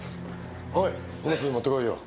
おいっ荷物持ってこいよ。